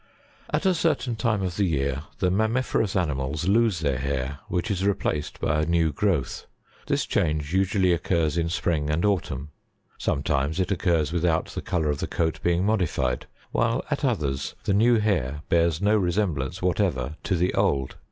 70 At a certain time of the year the mammiferous animals lose their hair which is replaced by a new growth. This change usually occurs in spring and autumn ; sometimes it occurs with out the colour of 'the coat being modified, while at others, the new hair bears no resemblance Whatever to the old.